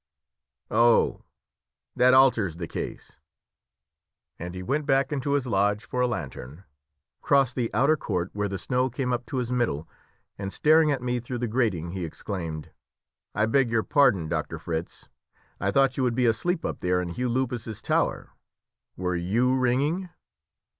"Oh, that alters the case," and he went back into his lodge for a lantern, crossed the outer court where the snow came up to his middle, and staring at me through the grating, he exclaimed "I beg your pardon, Doctor Fritz; I thought you would be asleep up there in Hugh Lupus's tower. Were you ringing?